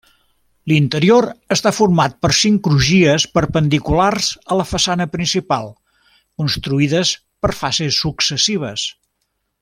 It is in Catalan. L'interior està format per cinc crugies perpendiculars a la façana principal, construïdes per fases successives.